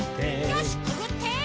よしくぐって！